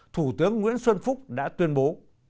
thủ tướng nguyễn xuân phúc đã tuyên bố